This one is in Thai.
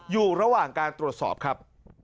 อยู่ระหว่างการตรวจสอบครับ